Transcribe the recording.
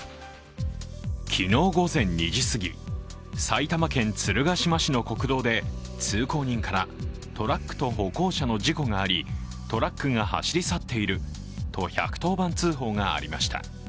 昨日午前２時すぎ、埼玉県鶴ヶ島市の国道で通行人からトラックと歩行者の事故があり、トラックが走り去っていると１１０番通報がありました。